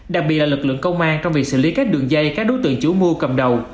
đặc biệt là lực lượng công an trong việc xử lý các đường dây các đối tượng chủ mua cầm đầu